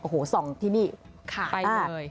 โอ้โหส่องที่นี่ไปเลย